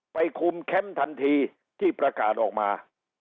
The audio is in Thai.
คุมแคมป์ทันทีที่ประกาศออกมา